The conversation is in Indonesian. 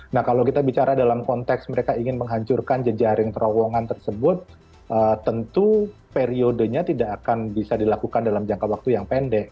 nah kalau kita bicara dalam konteks mereka ingin menghancurkan jejaring terowongan tersebut tentu periodenya tidak akan bisa dilakukan dalam jangka waktu yang pendek